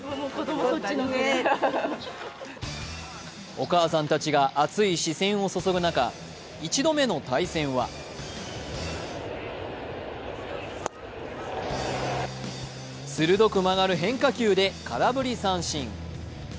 お母さんたちが熱い視線を注ぐ中、１度目の対戦は鋭く曲がる変化球で空振り三振。